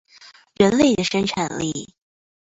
人類的生產力